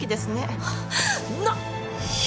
なっ。